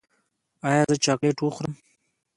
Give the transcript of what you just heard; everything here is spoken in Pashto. ایا زه چاکلیټ وخورم؟